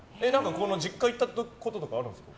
実家に行ったことあるんですか？